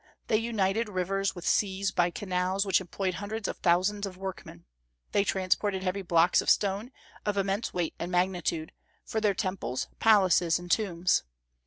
They united rivers with seas by canals which employed hundreds of thousands of workmen. They transported heavy blocks of stone, of immense weight and magnitude, for their temples, palaces, and tombs.